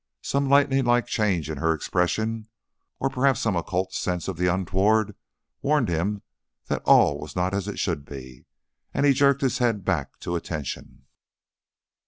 Some lightninglike change in her expression, or perhaps some occult sense of the untoward warned him that all was not as it should be, and he jerked his head back to attention.